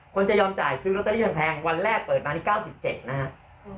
จะยอมจ่ายซื้อลอตเตอรี่ยังแพงวันแรกเปิดมานี่๙๗นะครับ